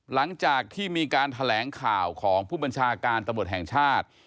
หลังจากที่มีการแถลงข่าวของผู้บัญชาการตำรวจแห่งชาติ